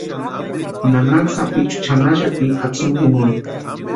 Nanaka sapichu chʼanaxati atsïmu jinkoni.